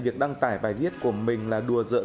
việc đăng tải bài viết của mình là đùa dỡ